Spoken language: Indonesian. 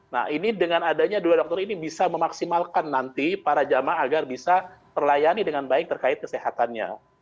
nah ini dengan adanya dua dokter ini bisa memaksimalkan nanti para jamaah agar bisa terlayani dengan baik terkait kesehatannya